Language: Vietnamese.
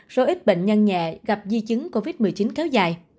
số ít bệnh nhân nhẹ gặp di chứng covid một mươi chín kéo dài